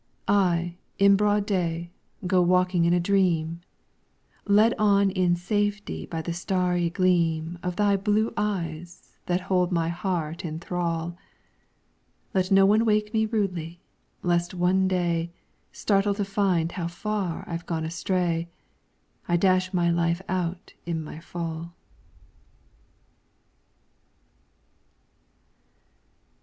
I, in broad day, go walking in a dream, Led on in safety by the starry gleam Of thy blue eyes that hold my heart in thrall; Let no one wake me rudely, lest one day, Startled to find how far I've gone astray, I dash my life out in my fall.